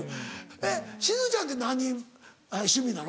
えっしずちゃんって何趣味なの？